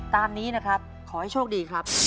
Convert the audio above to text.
ตามนี้นะครับขอให้โชคดีครับ